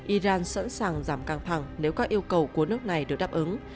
iran sẵn sàng giảm căng thẳng nếu các yêu cầu của nước này được đáp ứng